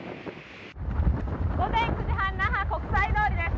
午前９時半、那覇国際通りです。